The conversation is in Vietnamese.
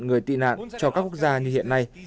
người tị nạn cho các quốc gia như hiện nay